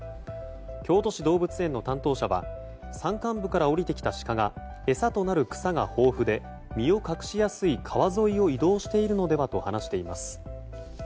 京都市動物園の担当者は山間部から下りてきたシカが餌となる草が豊富で身を隠しやすい川沿いを移動しているのではと話しています。